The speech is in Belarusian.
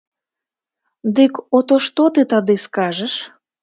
Дык от што ты тады скажаш?